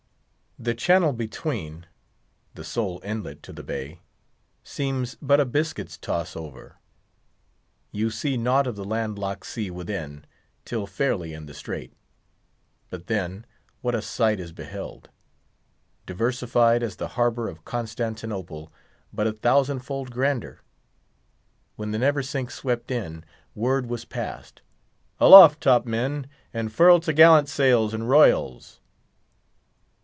The channel between—the sole inlet to the bay—seems but a biscuit's toss over; you see naught of the land locked sea within till fairly in the strait. But, then, what a sight is beheld! Diversified as the harbour of Constantinople, but a thousand fold grander. When the Neversink swept in, word was passed, "Aloft, top men! and furl t' gallant sails and royals!"